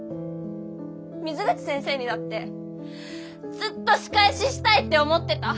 水口先生にだってずっと仕返ししたいって思ってた。